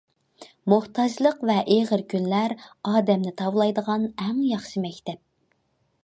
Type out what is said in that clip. موھتاجلىق ۋە ئېغىر كۈنلەر ئادەمنى تاۋلايدىغان ئەڭ ياخشى مەكتەپ.